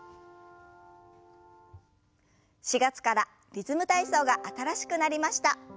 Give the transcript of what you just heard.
４月から「リズム体操」が新しくなりました。